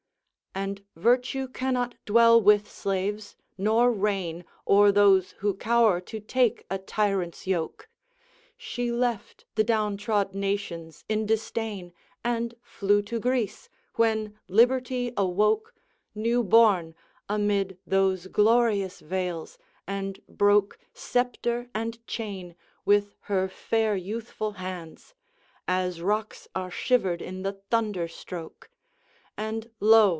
XV. And Virtue cannot dwell with slaves, nor reign O'er those who cower to take a tyrant's yoke; She left the down trod nations in disdain, And flew to Greece, when Liberty awoke, New born, amid those glorious vales, and broke Sceptre and chain with her fair youthful hands: As rocks are shivered in the thunder stroke. And lo!